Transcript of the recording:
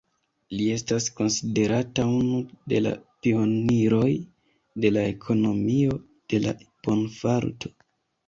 Li estas konsiderata unu de la pioniroj de la ekonomio de la bonfarto.